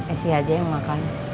esi aja yang makan